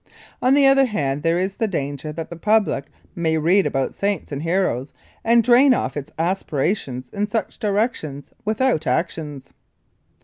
On the other hand there is the danger that the public may read about saints and heroes and drain off its aspirations in such directions without actions.